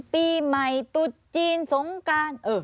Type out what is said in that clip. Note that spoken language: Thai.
ปีใหม่ตุ๊ดจีนสงการ